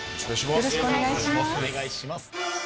よろしくお願いします。